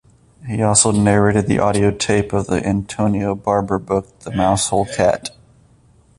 He also narrated the audio tape of the Antonia Barber book "The Mousehole Cat".